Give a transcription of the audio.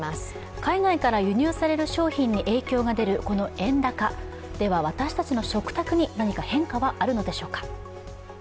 海外から輸入される商品に影響が出る、この円高、では、私たちの食卓に何か変化はあるのでしょうか。